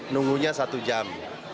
nunggunya satu jam